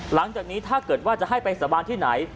หลังจากนี้ถ้าเกิดว่าจะให้ไปสาบานที่ไหน